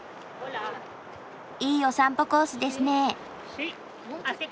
いいお散歩コースですね。